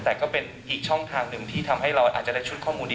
แต่ก็เป็นอีกช่องทางหนึ่งที่ทำให้เราอาจจะได้ชุดข้อมูลนี้